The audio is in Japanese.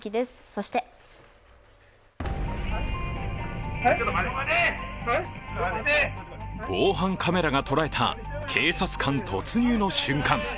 そして防犯カメラが捉えた警察官突入の瞬間。